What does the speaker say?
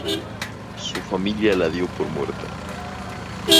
Su familia la dio por muerta.